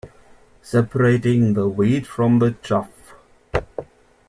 Separating the wheat from the chaff.